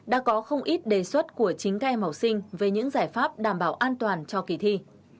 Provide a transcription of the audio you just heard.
đã có không ít đề xuất của chính các em học sinh về những giải pháp đảm bảo an toàn cho kỳ thi